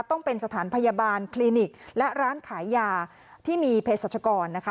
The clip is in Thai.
ต้องเป็นสถานพยาบาลคลินิกและร้านขายยาที่มีเพศรัชกรนะคะ